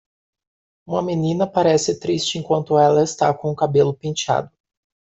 Uma menina parece triste enquanto ela está com o cabelo penteado.